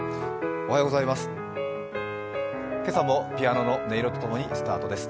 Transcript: おはようございます。